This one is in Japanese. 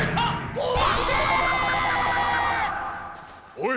おい！